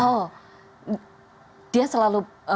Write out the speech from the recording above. oh dia selalu